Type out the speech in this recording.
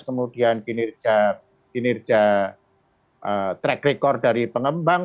kemudian kinerja track record dari pengembang